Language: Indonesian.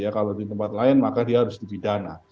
kalau di tempat lain maka dia harus dipidana